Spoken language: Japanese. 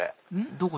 どこ？